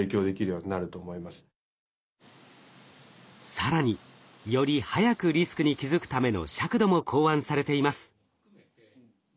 更により早くリスクに気付くための尺度も考案されています。